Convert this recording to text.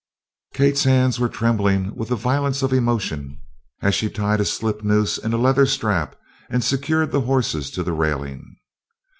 Kate's hands were trembling with the violence of her emotions as she tied a slip noose in a leather strap and secured the horses to the railing.